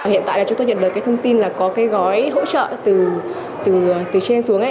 hiện tại chúng tôi nhận được thông tin là có gói hỗ trợ từ trên xuống